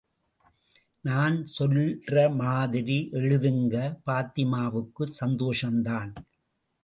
நான் சொல்ற மாதிரி எழுதுங்க... பாத்திமாவுக்கு சந்தோஷம்தான்.